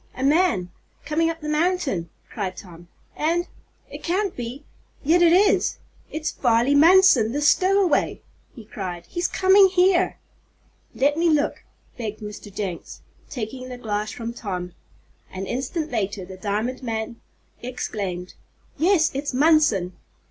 "A man coming up the mountain," cried Tom. "And it can't be yet it is it's Farley Munson the stowaway!" he cried. "He's coming here!" "Let me look!" begged Mr. Jenks, taking the glass from Tom. An instant later the diamond man exclaimed: "Yes, it's Munson!"